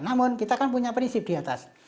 namun kita kan punya prinsip di atas